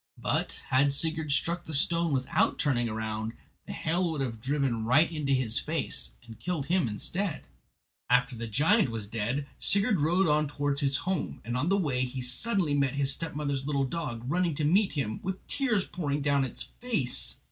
But had Sigurd struck the stone without turning round, the hail would have driven right into his face and killed him instead. After the giant was dead Sigurd rode on towards his own home, and on the way he suddenly met his stepmother's little dog, running to meet him, with tears pouring down its face.